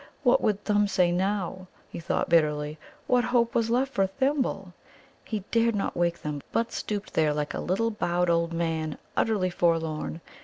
What would Thumb say now? he thought bitterly. What hope was left for Thimble? He dared not wake them, but stooped there like a little bowed old man, utterly forlorn.